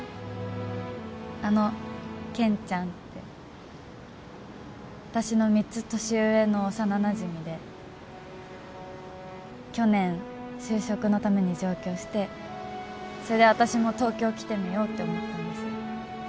あの健ちゃんって私の３つ年上の幼なじみで去年就職のために上京してそれで私も東京来てみようって思ったんです